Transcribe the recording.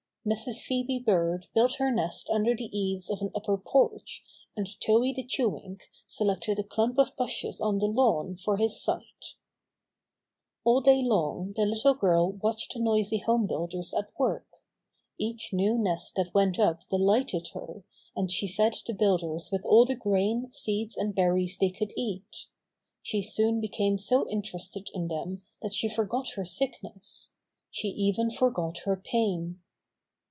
Mrs. Phoebe Bird built her nest under the eaves of an upper porch, and Towhee the Chewink selected a clump of bushes on the lawn for his site. All day long the little girl watched the noisy home builders at work. Each new nest that went up delighted her, and she fed the builders with all the grain, seeds and berries they could eat. She soon became so interested in them that she forgot her sickness. She even forgot her pain.